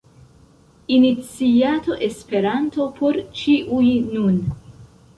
Iniciato Esperanto por ĉiuj – nun!